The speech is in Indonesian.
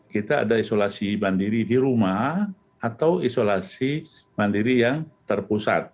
kita ada isolasi mandiri di rumah atau isolasi mandiri yang terpusat